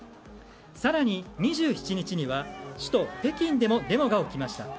更に、２７日には首都・北京でもデモが起きました。